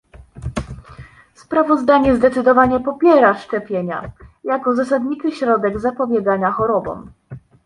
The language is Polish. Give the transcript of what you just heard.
Sprawozdanie zdecydowanie popiera szczepienia, jako zasadniczy środek zapobiegania chorobom